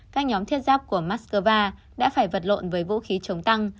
các nhóm thiết giáp của moscow đã phải vật lộn với vũ khí chống tăng